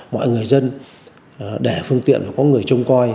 mọi người dân để phương tiện và có người trông coi